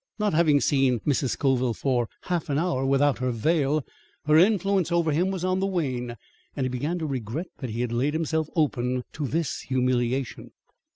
Not having seen Mrs. Scoville for a half hour without her veil, her influence over him was on the wane, and he began to regret that he had laid himself open to this humiliation.